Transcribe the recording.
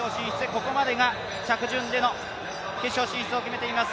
ここまでが着順での決勝進出を決めています。